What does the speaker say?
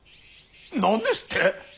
何ですって！